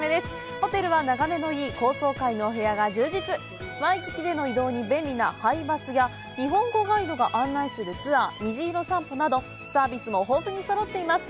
ホテルは眺めのいい高層階のお部屋が充実ワイキキでの移動に便利なＨｉＢｕｓや日本語ガイドが案内するツアー・虹色散歩などサービスも豊富にそろっています